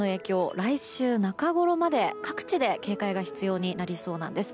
来週中ごろまで各地で警戒が必要になりそうなんです。